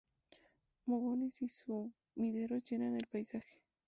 Mogotes y sumideros llenan el paisaje.